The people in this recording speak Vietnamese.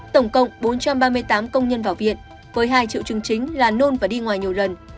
tổng cộng bốn trăm ba mươi tám công nhân vào viện với hai triệu chứng chính là nôn và đi ngoài nhiều lần